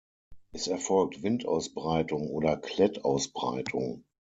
Es erfolgt Windausbreitung oder Klettausbreitung.